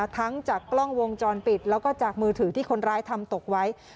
ทั้งจากกล้องวงจรปิดแล้วก็จากมือถือที่คนร้ายทำตกไว้